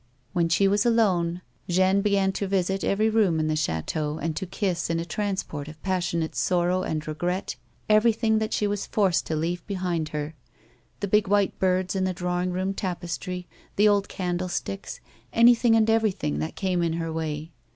When she was alone Jeanne began to visit every room in the chateau, and to liiss in a transport of passionate sorrow and regret everything that she was forced to leave behind her — the big white birds in the drawing room tapestry, the old candlesticks, anything and everything that came in her way.